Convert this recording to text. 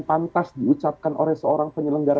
pantas diucapkan oleh seorang penyelenggara